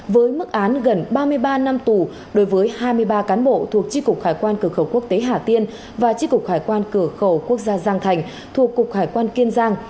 với mức án gần ba mươi ba năm tù đối với hai mươi ba cán bộ thuộc tri cục hải quan cửa khẩu quốc tế hà tiên và tri cục hải quan cửa khẩu quốc gia giang thành thuộc cục hải quan kiên giang